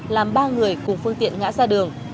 làm ba người cùng phương tiện ngã ra đường